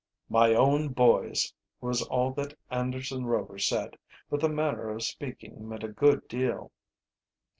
"My own boys!" was all that Anderson Rover said, but the manner of speaking meant a good deal.